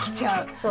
そう。